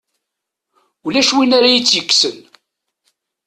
Ulac win ara iyi-tt-yekksen.